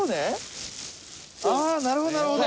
ああなるほどなるほど。